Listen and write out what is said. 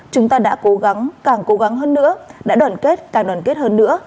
chúng ta đã cố gắng càng cố gắng hơn nữa đã đoàn kết càng đoàn kết hơn nữa